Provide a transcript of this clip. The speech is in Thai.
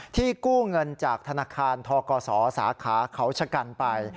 กู้เงินจากธนาคารทกศสาขาเขาชะกันไป